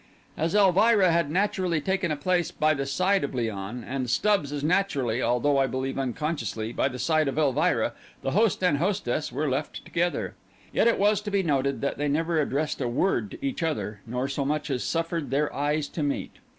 As Elvira had naturally taken a place by the side of Léon, and Stubbs as naturally, although I believe unconsciously, by the side of Elvira, the host and hostess were left together. Yet it was to be noted that they never addressed a word to each other, nor so much as suffered their eyes to meet.